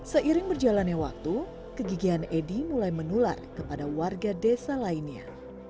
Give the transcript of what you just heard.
seiring berjalannya waktu kegigihan edi mulai menular kepada warga desa lainnya